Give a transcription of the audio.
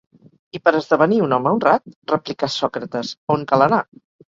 I per esdevenir un home honrat, replicà Sòcrates, on cal anar?